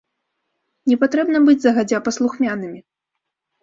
Не патрэбна быць загадзя паслухмянымі.